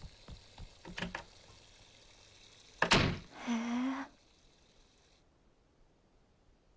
へえ。